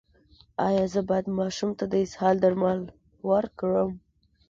ایا زه باید ماشوم ته د اسهال درمل ورکړم؟